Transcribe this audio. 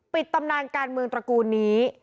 ตำนานการเมืองตระกูลนี้